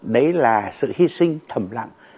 đấy là sự hy sinh thầm lặng